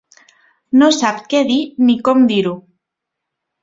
No sap què dir ni com dir-ho.